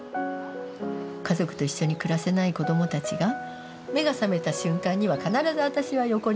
家族と一緒に暮らせない子どもたちが目が覚めた瞬間には必ず私は横にいる。